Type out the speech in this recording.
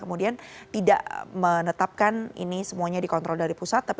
kemudian tidak menetapkan ini semuanya dikontrol dari pusat